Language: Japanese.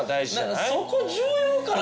何かそこ重要かな？